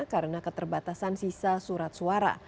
karena keterbatasan sisa surat suara